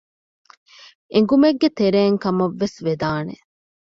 އެނގުމެއްގެ ތެރެއިން ކަމަށް ވެސް ވެދާނެ